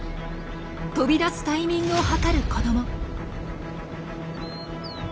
飛び出すタイミングを計る子ども。